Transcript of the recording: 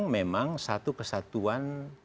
memang satu kesatuan